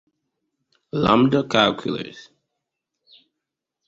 Lambda calculus